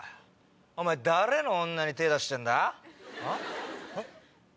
お前誰の女に手ぇ出してんだ⁉えっ？